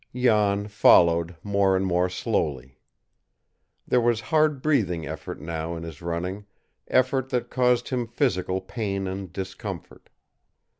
Jan followed more and more slowly. There was hard breathing effort now in his running effort that caused him physical pain and discomfort.